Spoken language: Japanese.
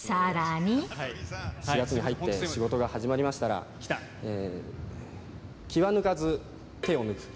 ４月に入って、仕事が始まりましたら、えー、気は抜かず、手を抜く。